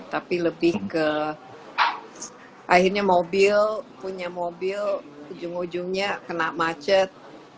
tapi lebih ke akhirnya mobil punya mobil ujung ujungnya kena macet